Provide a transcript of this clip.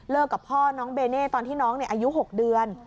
กับพ่อน้องเบเน่ตอนที่น้องอายุ๖เดือน